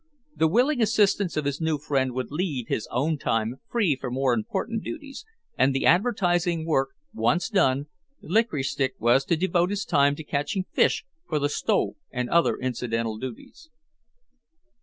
The willing assistance of his new friend would leave his own time free for more important duties, and the advertising work once done, Licorice Stick was to devote his time to catching fish for the "sto" and other incidental duties.